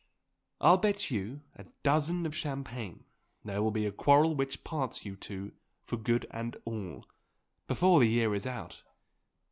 I'll bet you a dozen of champagne there will be a quarrel which parts you two, for good and all, before the year is out.